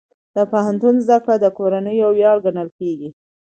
د پوهنتون زده کړه د کورنۍ ویاړ ګڼل کېږي.